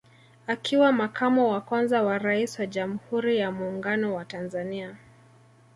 Akiwa Makamo wa kwanza wa Rais wa Jamhuri ya Muungano wa Tanzania